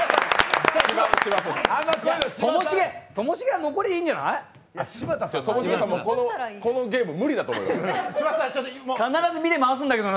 ともしげは残りゃいいんじゃない？ともしげさん、もうこのゲーム無理だと思います。